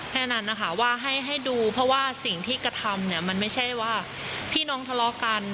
แค่นั้นนะคะว่าให้ดูเพราะว่าสิ่งที่กระทำเนี่ยมันไม่ใช่ว่าพี่น้องทะเลาะกัน